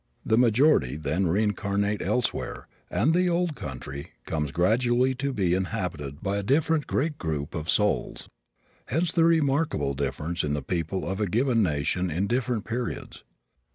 The majority then reincarnate elsewhere and the old country comes gradually to be inhabited by a different great group of souls. Hence the remarkable difference in the people of a given nation in different periods.